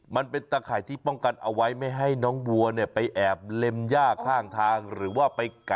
มันเป็นตะข่ายอย่างเนี้ยค่ะมันป้องกันยังไงคะ